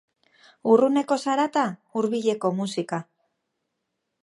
Urruneko zarata, hurbileko musika.